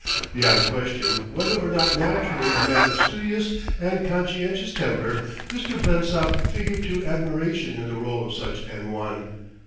Beyond question, whether or not naturally a man of studious and conscientious temper, Mr. Blensop figured to admiration in the role of such an one.